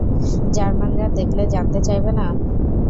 জার্মানরা দেখলে জানতে চাইবে না?